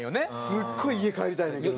すごい家帰りたいねんけどな。